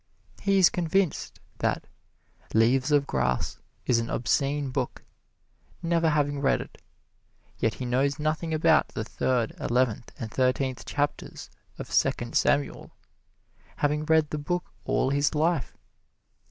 He is convinced that "Leaves of Grass" is an obscene book, never having read it; yet he knows nothing about the third, eleventh and thirteenth chapters of Second Samuel, having read the Book all his life.